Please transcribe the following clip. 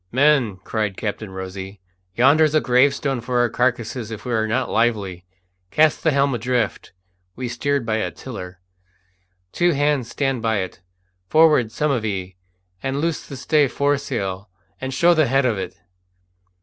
"Men," cried Captain Rosy, "yonder's a gravestone for our carcases if we are not lively! Cast the helm adrift!" (we steered by a tiller). "Two hands stand by it. Forward, some of ye, and loose the stay foresail, and show the head of it."